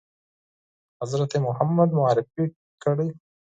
حضرت محمد معرفي کړی ؟